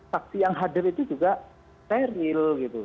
saksi yang hadir itu juga peril